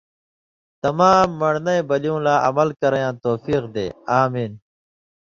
تمام من٘ڑنئ بلیُوں لا عمل کریں یاں توفیق دے۔ آمین